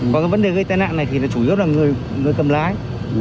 còn cái vấn đề gây tài nạn này thì chủ yếu là người cầm lái